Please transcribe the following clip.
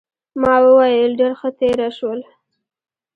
ما وویل ډېره ښه تېره شول.